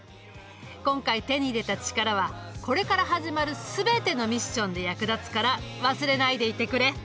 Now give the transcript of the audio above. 今回手に入れたチカラはこれから始まる全てのミッションで役立つから忘れないでいてくれ。